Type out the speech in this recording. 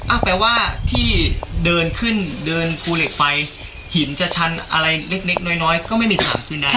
แปลว่าที่เดินขึ้นเดินภูเหล็กไฟหินจะชันอะไรเล็กน้อยน้อยก็ไม่มีทางขึ้นได้